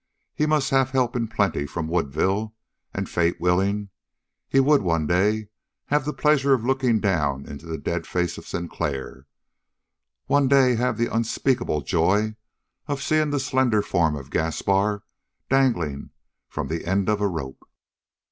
He must have help in plenty from Woodville, and, fate willing, he would one day have the pleasure of looking down into the dead face of Sinclair; one day have the unspeakable joy of seeing the slender form of Gaspar dangling from the end of a rope.